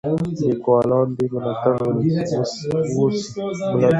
لیکوالان دې ملاتړ وسي.